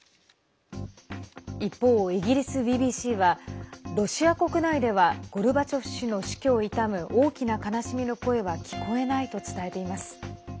一方、イギリスＢＢＣはロシア国内ではゴルバチョフ氏の死去を悼む大きな悲しみの声は聞こえないと伝えています。